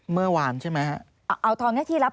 เมื่อวานใช่ไหมฮะ